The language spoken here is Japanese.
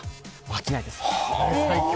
飽きないです。